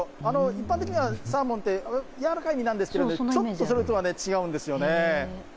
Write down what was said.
一般的にはサーモンって、やわらかい身なんですけど、ちょっとそれとは違うんですよね。